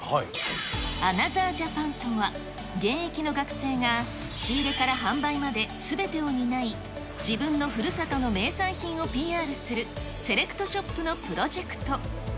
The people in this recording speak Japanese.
アナザー・ジャパンとは、現役の学生が仕入れから販売まですべてを担い、自分のふるさとの名産品をＰＲするセレクトショップのプロジェクト。